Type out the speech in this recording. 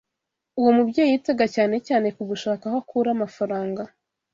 Uwo mubyeyi yitaga cyane cyane ku gushaka aho akura amafaranga